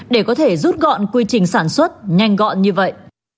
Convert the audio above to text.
để có thể rút gọn quy trình sản xuất nhanh gọn như vậy